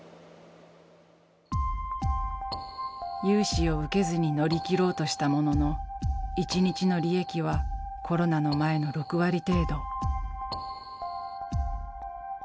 融資を受けずに乗り切ろうとしたものの１日の利益はコロナの前の６割程度。